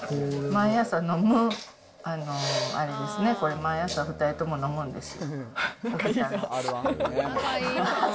毎朝飲むあれですね、毎朝、２人とも飲むんです。